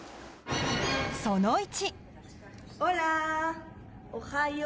その１。